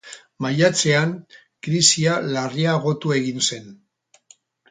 Maiatzean, krisia larriagotu egin zen.